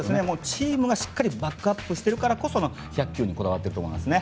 チームがしっかりバックアップしているからこそこだわっていると思いますね。